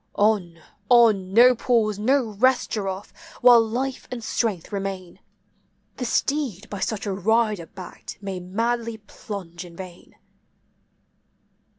On! on! no pause, no rest, giraffe, while life and strength remain ! The steed by such a rider backed may madly plunge in vain.